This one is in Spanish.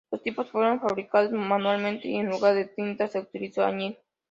Los tipos fueron fabricados manualmente y en lugar de tinta se utilizó añil.